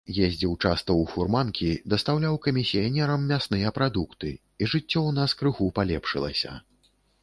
Ездзіў часта ў фурманкі, дастаўляў камісіянерам мясныя прадукты, і жыццё ў нас крыху палепшылася.